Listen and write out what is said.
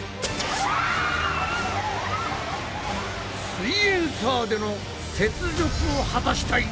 「すイエんサー」での雪辱を果たしたい！